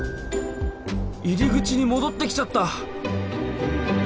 入り口に戻ってきちゃった！